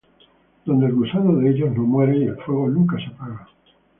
Donde el gusano de ellos no muere, y el fuego nunca se apaga.